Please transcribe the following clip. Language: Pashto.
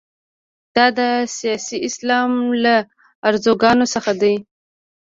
دا د سیاسي اسلام له ارزوګانو څخه دي.